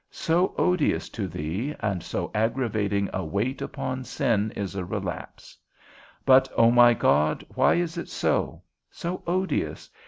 So odious to thee, and so aggravating a weight upon sin is a relapse. But, O my God, why is it so? so odious?